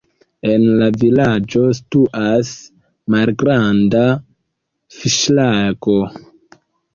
En la vilaĝo situas malgranda fiŝlago.